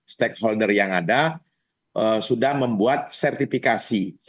stakeholder yang ada sudah membuat sertifikasi